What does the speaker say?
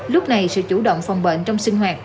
lúc này sự chủ động phòng bệnh trong sinh hoạt